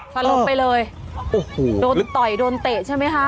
สลบไปเลยโอ้โหโดนต่อยโดนเตะใช่ไหมคะ